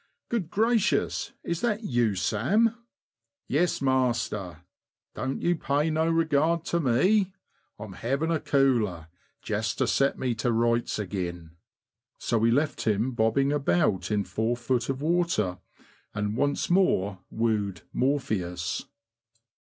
''Good gracious! Is that you, Sam?" ''Yes, master; don't yow pay no regard tu me. I'm haven a kuler, jest ter set me ter rights agin." So we left him bobbing about in 4ft. of water, and once more wooed Morpheus.